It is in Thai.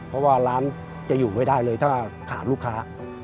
เพราะว่าร้านจะอยู่ไม่ได้เลยถ้าขาดลูกค้า